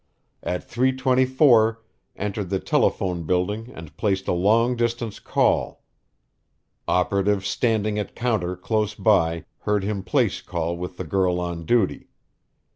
At 3:24 entered the telephone building and placed a long distance call. Operative standing at counter close by heard him place call with the girl on duty.